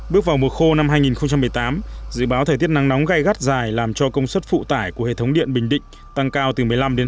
bước vào mùa khô năm hai nghìn một mươi tám dự báo thời tiết nắng nóng gai gắt dài làm cho công suất phụ tải của hệ thống điện bình định tăng cao từ một mươi năm ba mươi